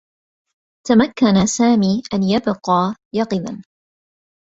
تمكّن سامي أن يبقى يقظا.